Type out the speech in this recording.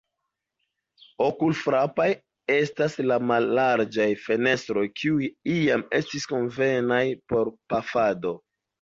Okulfrapaj estas la mallarĝaj fenestroj, kiuj iam estis konvenaj por pafado.